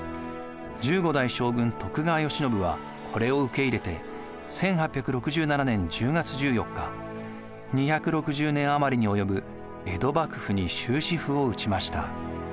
１５代将軍・徳川慶喜はこれを受け入れて１８６７年１０月１４日２６０年余りに及ぶ江戸幕府に終止符を打ちました。